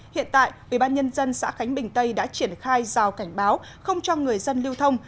hiện tại ubnd xã khánh bình tây đã triển khai rào cảnh báo không cho người dân lưu thông